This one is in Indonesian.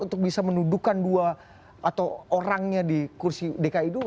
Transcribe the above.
untuk bisa menuduhkan dua atau orangnya di kursi dki dua